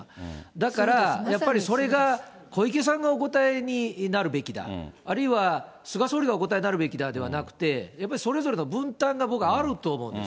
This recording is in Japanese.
だから、やっぱりそれが小池さんがお答えになるべきだ、あるいは菅総理がお答えになるべきだじゃなくて、やっぱりそれぞれの分担が僕はあると思うんです。